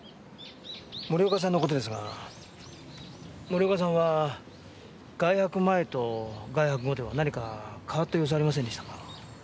森岡さんの事ですが森岡さんは外泊前と外泊後では何か変わった様子はありませんでしたか？